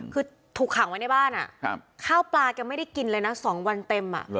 คือถูกขังไว้ในบ้านข้าวปลาแกไม่ได้กินเลยนะ๒วันเต็ม